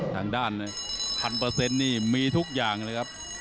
ทางด้านพันเปอร์เซ็นต์นี่มีทุกอย่างเลยครับ